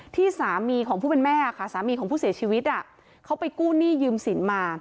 ที่สามีของผู้เป็นแม่ค่ะสามีของผู้เสียชีวิตเขาไปกู้หนี้ยืมสินมา